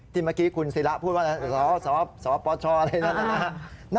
ที่เมื่อกี้คุณศิละพูดว่าสปชอะไรอย่างนั้น